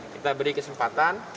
kita beri kesempatan